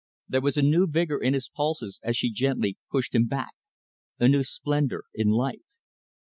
There was a new vigour in his pulses as she gently pushed him back, a new splendour in life.